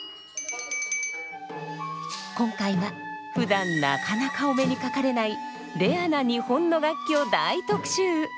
今回はふだんなかなかお目にかかれないレアな日本の楽器を大特集！